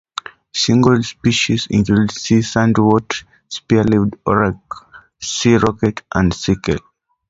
Shingle species include sea sandwort, spear-leaved orache, sea rocket and sea kale.